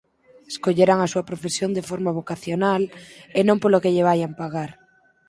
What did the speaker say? escollerán a súa profesión de forma vocacional, e non polo que lle vaian pagar.